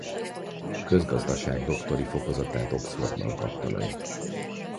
Közgazdaság-doktori fokozatát Oxfordban kapta meg.